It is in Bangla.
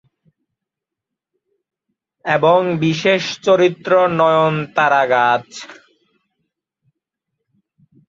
এবং বিশেষ চরিত্র নয়নতারা গাছ।